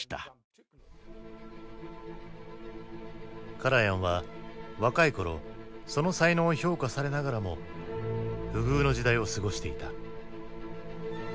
カラヤンは若い頃その才能を評価されながらも不遇の時代を過ごしていた。